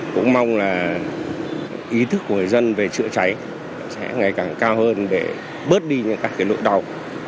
cũng mong là ý thức của người dân về chữa cháy sẽ ngày càng cao hơn để bớt đi những các nỗi đau